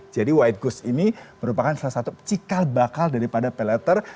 jadi white goods ini merupakan salah satu cikal bakal daripada pay later